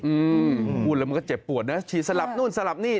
อืมพูดแล้วมันก็เจ็บปวดนะฉีดสลับนู่นสลับนี่